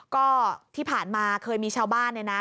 ก็ที่ผ่านมาเคยมีชาวบ้านเนี่ยนะ